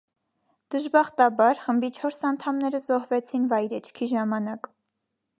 Դժբախտաբար, խմբի չորս անդամները զոհվեցին վայրէջքի ժամանակ։